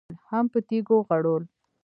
هم په تيږو غړول.